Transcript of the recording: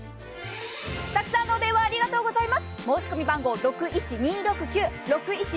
たくさんのお電話、ありがとうございます。